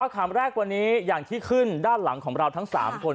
คำแรกวันนี้อย่างที่ขึ้นด้านหลังของเราทั้ง๓คน